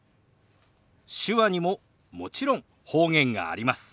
手話にももちろん方言があります。